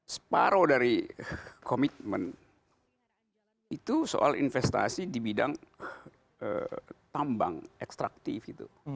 separoh dari komitmen itu soal investasi di bidang tambang ekstraktif itu